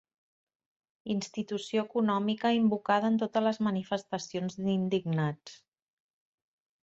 Institució econòmica invocada en totes les manifestacions d'indignats.